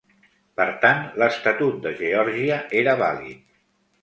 Per tant, l'estatut de Geòrgia era vàlid.